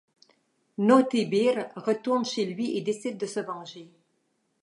Naughty Bear retourne chez lui et décide de se venger.